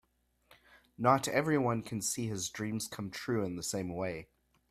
Not everyone can see his dreams come true in the same way.